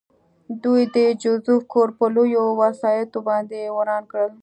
دوی د جوزف کور په لویو وسایطو باندې وران کړ